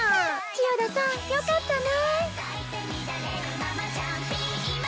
千代田さんよかったね